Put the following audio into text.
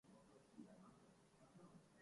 وہ شیر ہے